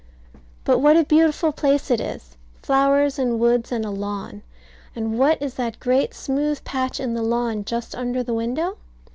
But what a beautiful place it is! Flowers and woods and a lawn; and what is that great smooth patch in the lawn just under the window?